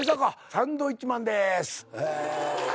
サンドウィッチマンです。